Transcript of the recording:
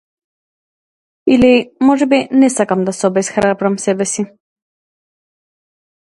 Или можеби не сакам да се обесхрабрам себеси.